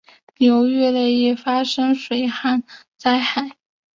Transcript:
流域内易发生水旱灾害。